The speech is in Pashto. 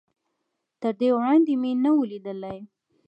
تر دې وړاندې مې نه و ليدلی.